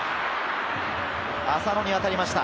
浅野に当たりました。